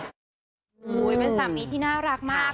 โอ้โหเป็นสามีที่น่ารักมาก